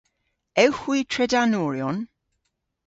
Ewgh hwi tredanoryon?